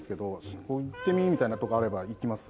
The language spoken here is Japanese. そこ行ってみ！みたいなとこあれば行きます。